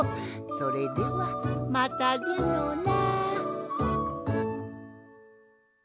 それではまたでのな。